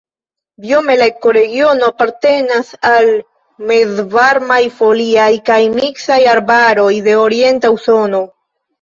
Biome la ekoregiono apartenas al mezvarmaj foliaj kaj miksaj arbaroj de Orienta Usono.